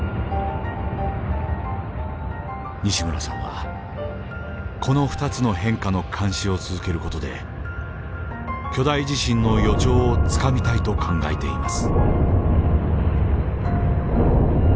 西村さんはこの２つの変化の監視を続ける事で巨大地震の予兆をつかみたいと考えています。